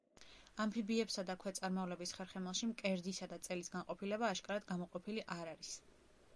ამფიბიებსა და ქვეწარმავლების ხერხემალში მკერდისა და წელის განყოფილება აშკარად გამოყოფილი არ არის.